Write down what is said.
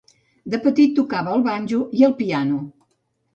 De petit, tocava el banjo i el piano.